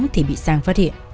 thì bị giang phát hiện